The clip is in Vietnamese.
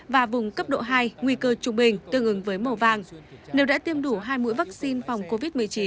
và vùng cấp độ hai nguy cơ trung bình tương ứng với màu vàng nếu đã tiêm đủ hai mũi vaccine phòng covid một mươi chín